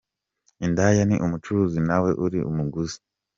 Indaya ni umucuruzi nawe uri umuguzi.